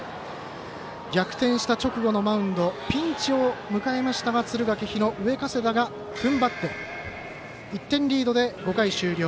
逆転した直後のマウンドピンチを迎えましたが敦賀気比の上加世田がふんばって１点リードで５回終了。